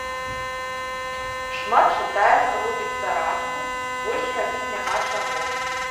Шмат чытае, робіць зарадку, больш рабіць няма чаго.